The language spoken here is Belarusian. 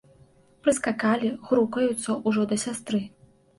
Прыскакалі, грукаюцца ўжо да сястры.